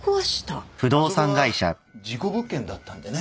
あそこは事故物件だったんでね。